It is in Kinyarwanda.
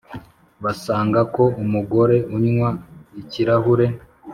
Basanga ko umugore unywa ikirahure